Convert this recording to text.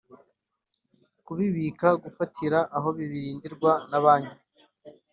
Kubibika gufatira aho birindirwa na banki